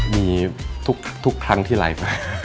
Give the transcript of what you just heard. มีทุกครั้งที่ไลน์มา